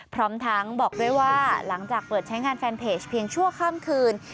พร้อมทั้งบอกด้วยว่าหลังจากเปิดใช้งานแฟนเพจเพียงชั่วข้ามคืน